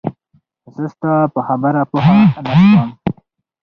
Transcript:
زه ستا په خبره پوهه نه شوم